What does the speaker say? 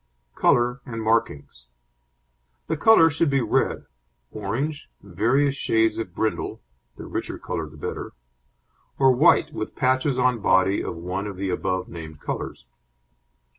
COLOUR AND MARKINGS The colour should be red, orange, various shades of brindle (the richer colour the better), or white with patches on body of one of the above named colours.